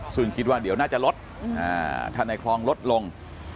ซึ่งคิดว่าเดี๋ยวน่าจะลดถ้าในคลองลดลง